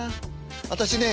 私ね